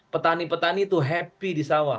petani petani itu happy di sawah